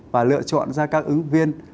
và lựa chọn ra các ứng viên